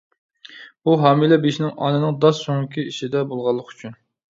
بۇ ھامىلە بېشىنىڭ ئانىنىڭ داس سۆڭىكى ئىچىدە بولغانلىقى ئۈچۈن.